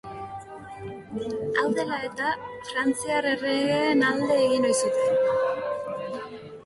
Hau dela eta, Frantziar erregeen alde egin ohi zuten.